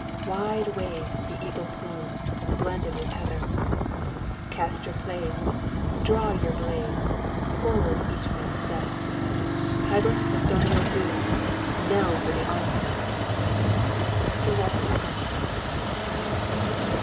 Wide waves the eagle plume, Blended with heather. Cast your plaids, draw your blades, Forward each man set! Pibroch of Donuil Dhu Knell for the onset! Sir Walter Scott.